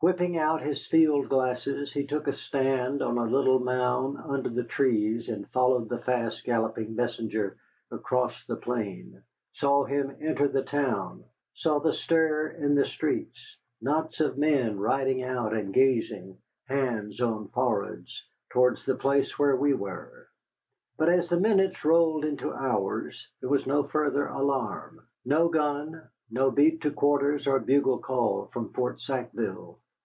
Whipping out his field glasses, he took a stand on a little mound under the trees and followed the fast galloping messenger across the plain; saw him enter the town; saw the stir in the streets, knots of men riding out and gazing, hands on foreheads, towards the place where we were. But, as the minutes rolled into hours, there was no further alarm. No gun, no beat to quarters or bugle call from Fort Sackville.